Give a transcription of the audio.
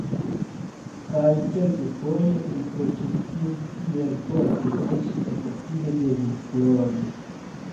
Kaj kelkfoje riproĉis sin tiel forte, ke ŝi efektive devis plori.